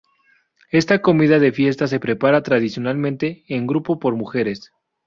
Esta comida de fiesta se prepara tradicionalmente en grupo por mujeres.